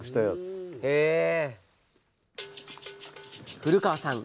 古川さん